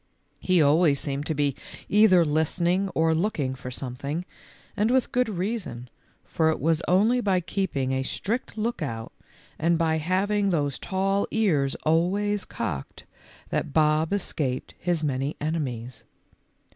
He always seemed to be either listening or looking for something, and with good reason, for it was only by keeping a strict lookout, and by having those tall ears always cocked, that Bob escaped his many enemies.